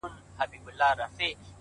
هره لاسته راوړنه د زحمت نتیجه ده؛